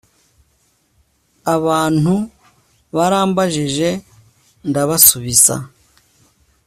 abantu barambajije ndabasubiza